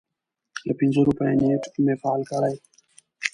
د پنځو روپیو نیټ مې فعال کړی